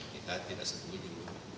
kita tidak setuju